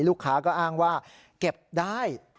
ลูกค้าก็อ้างว่าเก็บได้